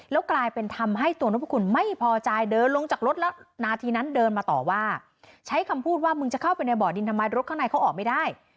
แล้วกลายเป็นทำให้ตัวนพคุณไม่พอใจเดินลงจากรถแล้วนาทีนั้นเดินมาต่อว่าใช้คำพูดว่ามึงจะเข้าไปในบ่อดินทำไมรถข้างในเขาออกไม่ได้